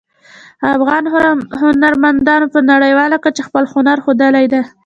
افغان هنرمندانو په نړیواله کچه خپل هنر ښودلی ده